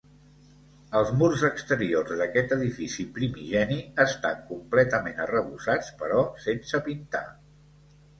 Els murs exteriors d'aquest edifici primigeni, estan completament arrebossats però sense pintar.